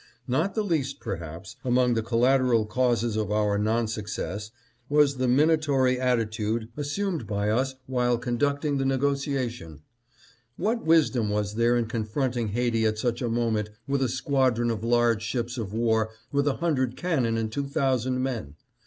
" Not the least, perhaps, among the collateral causes of our non success was the minatory attitude assumed by us while conducting the negotiation. What wisdom was there in confronting Haiti at such a moment with a squadron of large ships of war with a hundred canon and two thousand men